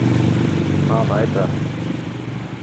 Fahr weiter!